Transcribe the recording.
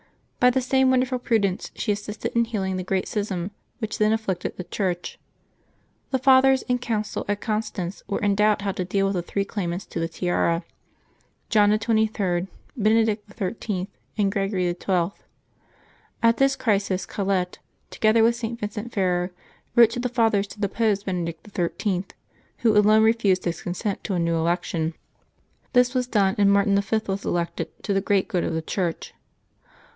By the same wonderful prudence she assisted in healing the great schism which then afflicted the Church. The Fathers in council at Constance were in doubt how to deal with the three claimants to the tiara — John XXIII., Benedict XIII., and Gregory XII. At this crisis Colette, together with St. Vincent Ferrer, wrote to the Fathers to depose Benedict XIII., who alone refused his consent to a new election. This was done, and Martin V. was elected, to the great good of the Church.